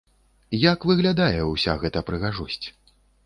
Як выглядае ўся гэта прыгажосць?